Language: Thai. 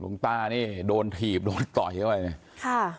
ลุงต้านี่โดนถีบโดนต่อยไว้นี่ค่ะครับ